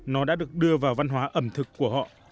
nó đã được đưa vào văn hóa ẩm thực của họ